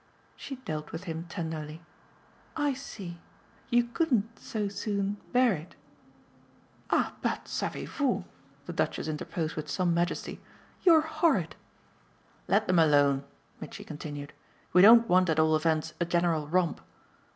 She dealt with him tenderly. "I see. You couldn't so soon bear it." "Ah but, savez vous," the Duchess interposed with some majesty, "you're horrid!" "Let them alone," Mitchy continued. "We don't want at all events a general romp."